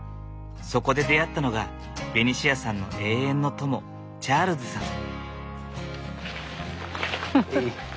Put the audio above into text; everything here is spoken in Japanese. そこで出会ったのがベニシアさんの永遠の友チャールズさん。